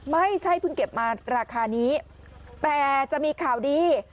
ไม่ใช่เพิ่งเก็บมาราคานี้แต่จะมีข่าวดี